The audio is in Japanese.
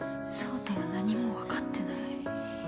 颯太は何も分かってない。